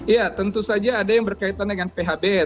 ya tentu saja ada yang berkaitan dengan phb